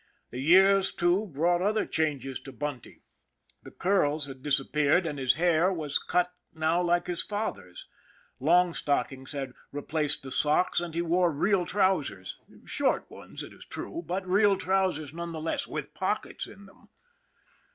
The years, too, brought other changes to Bunty. The curls had disappeared, and his hair was cut now like his father's. Long stockings had replaced the socks, and he wore THE LITTLE SUPER 27 real trousers; short ones, it is true, but real trousers none the less, with pockets in them.